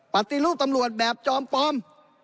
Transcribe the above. ปฏิรูปตำรวจแบบจอมปลอม